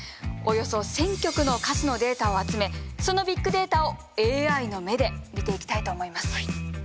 およそ１０００曲の歌詞のデータを集めそのビッグデータをＡＩの目で見ていきたいと思います。